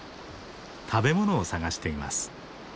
食べ物を探しています。